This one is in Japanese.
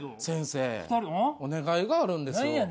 先生お願いがあるんですよ。